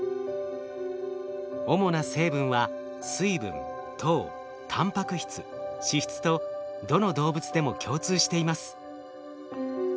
主な成分は水分糖タンパク質脂質とどの動物でも共通しています。